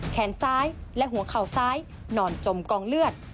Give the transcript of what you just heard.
แขนซ้ายและหัวเข่าซ้ายนอนจมกองเลือด